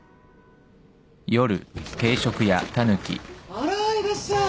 あらいらっしゃい。